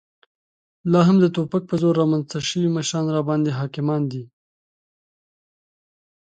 لا هم د توپک په زور رامنځته شوي مشران راباندې حاکمان دي.